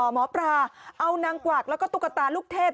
หมอปลาเอานางกวักแล้วก็ตุ๊กตาลูกเทพ